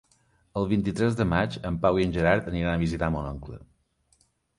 El vint-i-tres de maig en Pau i en Gerard aniran a visitar mon oncle.